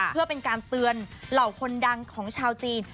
เพื่อเป็นการเตือนเหล่าคนดังของชาวจีน